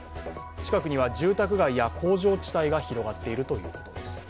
近くには住宅街や工場地帯が広がっているということです。